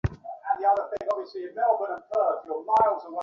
কিন্তু নরাধম আমর যায় না।